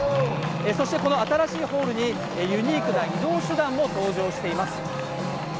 そして、この新しいホールにユニークな移動手段も登場しています。